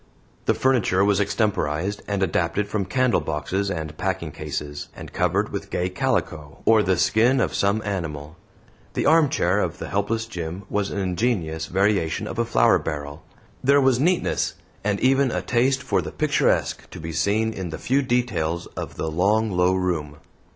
The furniture was extemporized, and adapted from candle boxes and packing cases, and covered with gay calico, or the skin of some animal. The armchair of the helpless Jim was an ingenious variation of a flour barrel. There was neatness, and even a taste for the picturesque, to be seen in the few details of the long low room.